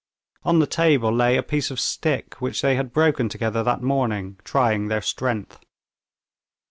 On the table lay a piece of stick which they had broken together that morning, trying their strength.